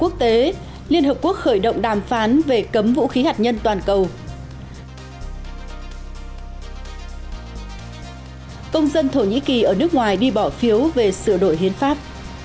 công dân thổ nhĩ kỳ ở nước ngoài đi bỏ phiếu về sửa đổi hiến pháp